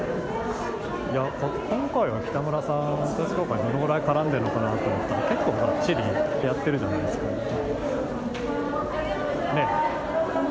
今回は、北村さん、統一教会にどれぐらい絡んでるのかなと思ったら、結構、ばっちりやってるじゃないですか、ねぇ？